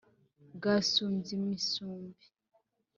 bwasumbye imisumbi